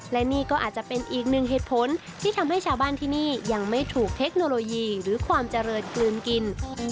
และนี่ก็อาจจะเป็นอีกหนึ่งเหตุผลที่ทำให้ชาวบ้านที่นี่ยังไม่ถูกเทคโนโลยีหรือความเจริญกลืนกิน